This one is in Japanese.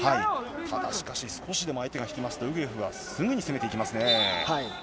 ただしかし、少しでも相手が引きますと、ウグエフはすぐに攻めていきますね。